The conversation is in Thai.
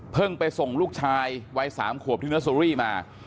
ไปส่งลูกชายวัย๓ขวบที่เนอร์เซอรี่มา